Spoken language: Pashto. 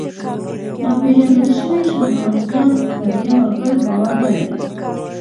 ناپېژندل شوي شامپانزیان پر یوه بل باور نهلري.